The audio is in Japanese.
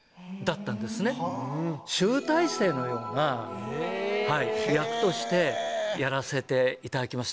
のような役としてやらせていただきました。